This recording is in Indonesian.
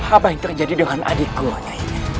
apa yang terjadi dengan adikku nyai